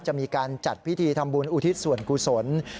จะมีการจัดพิธีทำบุญอุทิศส่วนกุศล